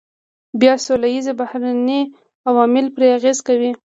بیا څو لسیزې بهرني عوامل پرې اغیز کوي.